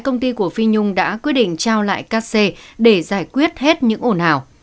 công ty của phi nhung đã quyết định trao lại cắt xe để giải quyết hết những ồn ào